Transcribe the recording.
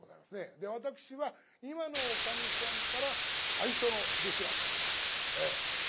で私は今のおかみさんから最初の弟子なんでございます。